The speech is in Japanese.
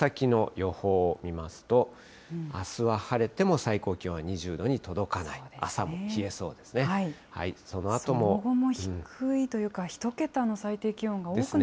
この先の予報を見ますと、あすは晴れても最高気温２０度に届かない、朝も冷えそうですね。